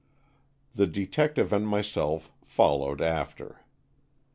The detective and myself followed after.